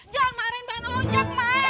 jangan marahin tuhan ojak ma